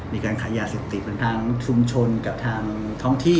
มีกันขยะสดดิบกันทางชุมชนกับทางท้องที่